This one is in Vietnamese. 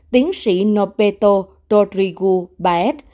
tiến sĩ nobeto todrigu baed